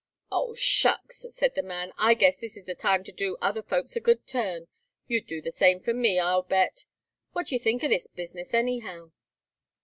"Oh, shucks!" said the man. "I guess this is the time to do other folks a good turn. You'd do the same for me, I'll bet. What do you think of this business, anyhow?"